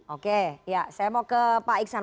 oke ya saya mau ke pak iksan